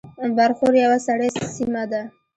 برښور یوه سړه سیمه ده